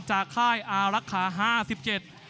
จากค่ายอละครห้าสิบเจ็ด